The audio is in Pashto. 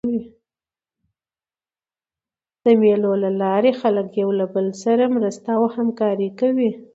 د مېلو له لاري خلک له یو بل سره مرسته او همکاري کوي.